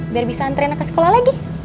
biar bisa anterin rena ke sekolah lagi